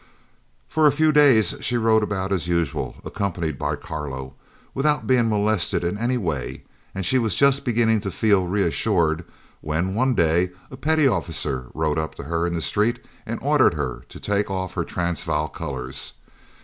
For a few days she rode about as usual, accompanied by Carlo, without being molested in any way, and she was just beginning to feel reassured, when, one day, a petty officer rode up to her in the street and ordered her to take off her Transvaal colours.